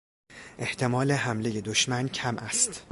احتمال حملهی دشمن کم است.